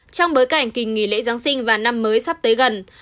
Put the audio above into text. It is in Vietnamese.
trong bối cảnh kỳ nghỉ lễ giáng sinh và năm mới sắp tới gần